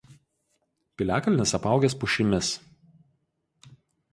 Piliakalnis apaugęs pušimis.